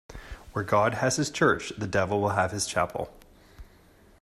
Where God has his church, the devil will have his chapel.